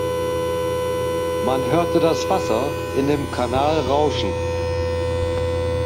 Man hörte das Wasser in dem Kanal rauschen.